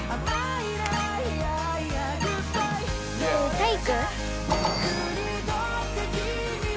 体育。